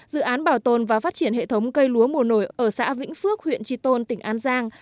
dự án bảo tồn và phát triển hệ thống cây lúa mùa nổi ở xã vĩnh phước huyện tri tôn tỉnh an giang